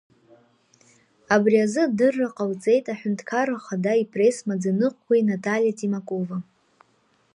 Абри азы адырра ҟалҵеит Аҳәынҭқарра Ахада ипресс-маӡаныҟәгаҩ Наталиа Тимакова.